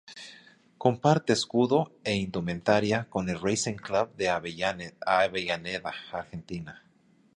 Comparte escudo e indumentaria con el Racing Club de Avellaneda, Argentina.